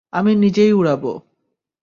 আমি নিজেই উড়াবো।